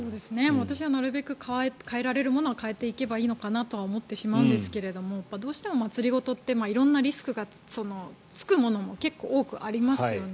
私はなるべく変えられるものは変えていけばいいのかなと思ってしまうんですがどうしても、祭り事って色々なリスクがつくものも結構多くありますよね。